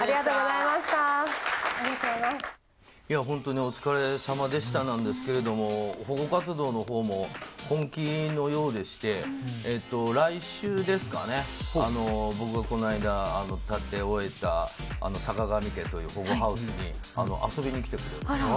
いや、本当にお疲れさまでしたなんですけど、保護活動のほうも本気のようでして、来週ですかね、僕がこの間、建て終えたさかがみ家という保護ハウスに、遊びに来てくれる。